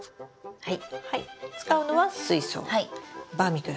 はい。